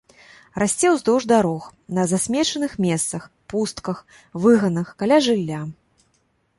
Расце ўздоўж дарог, на засмечаных месцах, пустках, выганах, каля жылля.